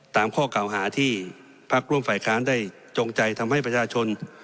ตามข้อเก่าหาที่พักร่วมฝ่ายค้านได้จงใจทำให้ประชาชน